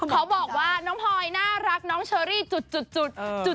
เขาบอกว่าน้องพลอยน่ารักน้องเชอรี่จุด